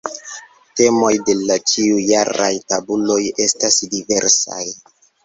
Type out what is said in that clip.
Temoj de la ĉiujaraj tabuloj estas diversaj.